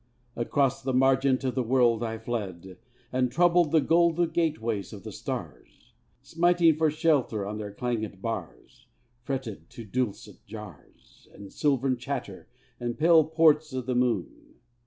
Across the margent of the world I fled, And troubled the gold gateways of the stars, Smiting for shelter on their clangèd bars; Fretted to dulcet jars And silvern chatter the pale ports o' the moon.